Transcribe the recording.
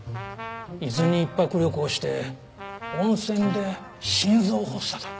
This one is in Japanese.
伊豆に一泊旅行して温泉で心臓発作だと。